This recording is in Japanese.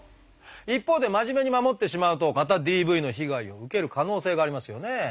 一方で真面目に守ってしまうとまたＤＶの被害を受ける可能性がありますよね。